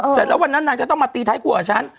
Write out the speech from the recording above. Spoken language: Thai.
เสร็จแล้ววันนั้นนางก็ต้องมาตีท้ายครัวกับฉัน